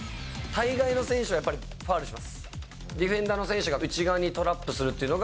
大概の選手はやっぱり、ファウルします。